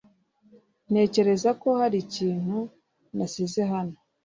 Ntekereza ko hari ikintu nasize hano .